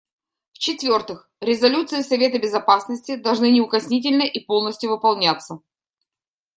В-четвертых, резолюции Совета Безопасности должны неукоснительно и полностью выполняться.